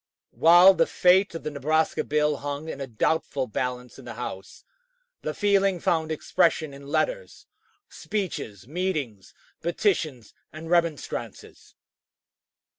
While the fate of the Nebraska bill hung in a doubtful balance in the House, the feeling found expression in letters, speeches, meetings, petitions, and remonstrances.